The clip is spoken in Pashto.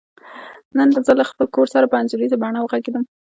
نن زه له خپل کور سره په انځوریزه بڼه وغږیدم.